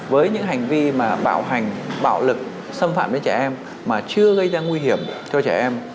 với những hành vi mà bạo hành bạo lực xâm phạm đến trẻ em mà chưa gây ra nguy hiểm cho trẻ em